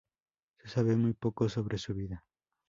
Se sabe muy poco sobre su vida.